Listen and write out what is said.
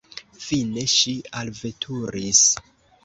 Fine ŝi alveturis.